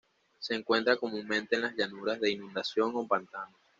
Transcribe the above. Se encuentra comúnmente en las llanuras de inundación o pantanos.